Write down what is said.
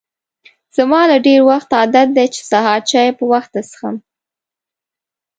زما له ډېر وخته عادت دی چې سهار چای په وخته څښم.